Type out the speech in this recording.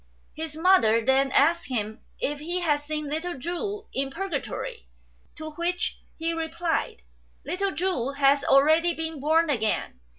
His mother then asked him if he had seen little Chu in Purgatory ; to which he replied, " Little Chu has already been born again.